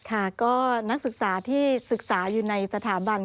ค่ะก็นักศึกษาที่ศึกษาอยู่ในสถาบัน